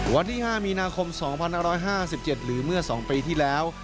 วันที่๕มีนาคม๒๕๕๗หรือเมื่อ๒ปีที่แล้ว